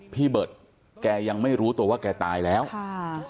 เบิร์ตแกยังไม่รู้ตัวว่าแกตายแล้วค่ะ